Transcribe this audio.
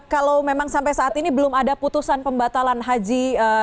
kalau memang sampai saat ini belum ada putusan pembatalan haji dua ribu dua puluh